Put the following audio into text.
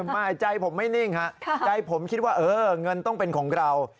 ไม่ใจผมไม่นิ่งฮะใจผมคิดว่าเออเงินต้องเป็นของเรา